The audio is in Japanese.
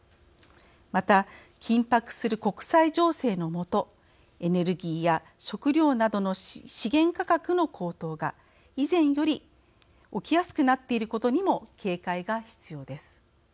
また、緊迫する国際情勢の下エネルギーや食料などの資源価格の高騰が以前より起きやすくなっていることにも警戒が必要です。